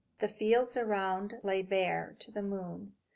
The fields around lay bare to the moon.